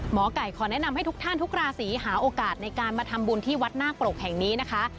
หมอไก่ขอแนะนำให้ทุกท่านทุกราศีหาโอกาสในการมาทำบุญที่วัดนาคปรกแห่งนี้นะคะ